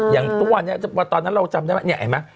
อย่างทุกวันนี้ตอนนั้นเราจำได้ไหมเนี่ยเห็นไหม